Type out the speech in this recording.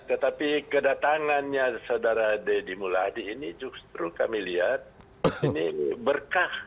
tetapi kedatangannya saudara deddy muladi ini justru kami lihat ini berkah